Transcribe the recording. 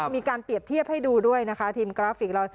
มีการเปรียบเทียบให้ดูด้วยนะคะทีมกราฟิกเรา